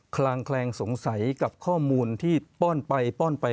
คลางแคลงสงสัยกับข้อมูลที่ป้อนไปป้อนไป